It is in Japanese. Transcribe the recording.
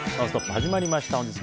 始まりました。